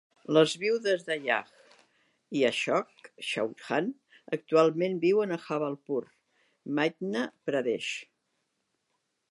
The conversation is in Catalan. Les viudes d'Ajay i Ashok Chauhan actualment viuen a Jabalpur (Madhya Pradesh).